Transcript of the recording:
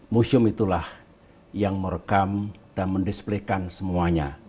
museum itulah yang merekam dan men displaykan semuanya